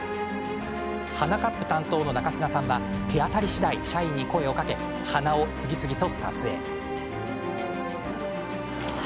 鼻カップ担当の中須賀さんは手当たりしだい社員に声をかけ鼻を次々と撮影。